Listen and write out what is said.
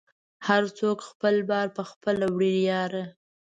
هر څوک خپل بار په خپله وړی یاره